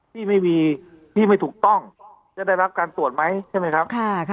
ที่ไม่มีที่ไม่ถูกต้องจะได้รับการตรวจไหมใช่ไหมครับ